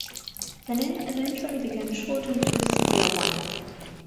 The name eventually became shortened to "Sitiawan".